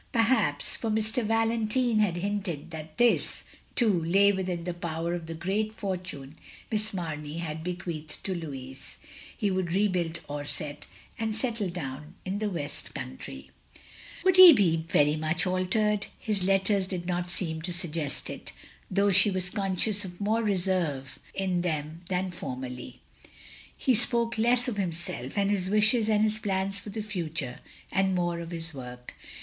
Perhaps — ^f or Mr. Valentine had hinted that this, too, lay within the power of the greiat fortune Miss Mamey had bequeathed to Louis — hewotildrebuild Orsett, and settle down in the West Country. 248 THE LONELY LADY Wotild he be very much altered? His letters did not seem to suggest it, though she was con scious of more reserve in them than formerly. He spoke less of himself and his wishes and his plans for the future, and more of his work.